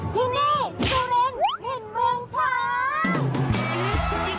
ที่นี่สุรินทร์ถิ่นเมืองช้าง